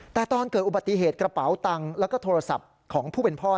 แต่ตอนเกิดอุบัติเหตุกระเป๋าตังค์แล้วก็โทรศัพท์ของผู้เป็นพ่อ